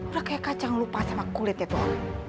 udah kayak kacang lupa sama kulitnya tuh